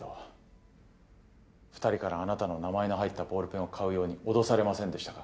２人からあなたの名前の入ったボールペンを買うように脅されませんでしたか？